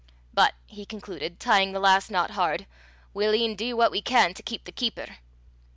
But," he concluded, tying the last knot hard, "we'll e'en dee what we can to keep the keeper."